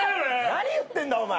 何言ってんだお前！